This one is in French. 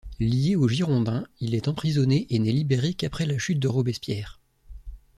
Lié aux Girondins, il est emprisonné et n'est libéré qu'après la chute de Robespierre.